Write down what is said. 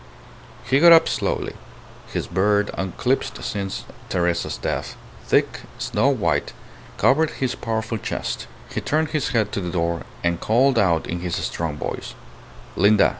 He got up slowly. His beard, unclipped since Teresa's death, thick, snow white, covered his powerful chest. He turned his head to the door, and called out in his strong voice "Linda."